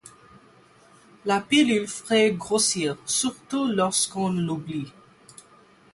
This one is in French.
La pilule fait grossir, surtout lorsqu'on l'oublie.